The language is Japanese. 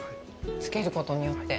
つけることによって。